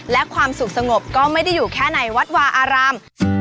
และความสุขสงบก็ไม่ได้อยู่แค่ในวัดวาอาราม